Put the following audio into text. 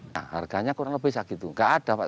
nah harganya kurang lebih bisa gitu nggak ada pak